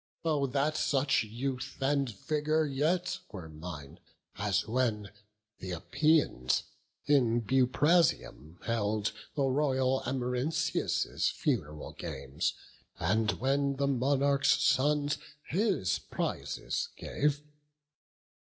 Oh that such youth and vigour yet were mine, As when th' Epeians in Buprasium held The royal Amarynceus' fun'ral games, And when the monarch's sons his prizes gave!